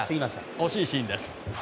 惜しいシーンです。